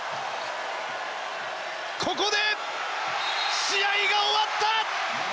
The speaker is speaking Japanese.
ここで試合が終わった！